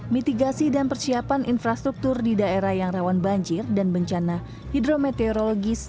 mitigasi dan persiapan infrastruktur di daerah yang rawan banjir dan bencana hidrometeorologis